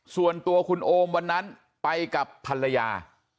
ส่วนตัวคุณโอมวันนั้นไปกับภรรยา